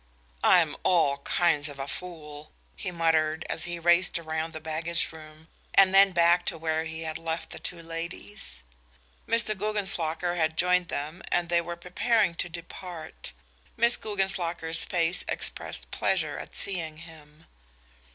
"I'm all kinds of a fool," he muttered, as he raced around the baggage room and then back to where he had left the two ladies. Mr. Guggenslocker had joined them and they were preparing to depart. Miss Guggenslocker's face expressed pleasure at seeing him.